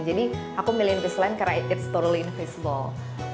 jadi aku milih invisalign karena it's totally invisible